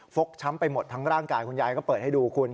กช้ำไปหมดทั้งร่างกายคุณยายก็เปิดให้ดูคุณ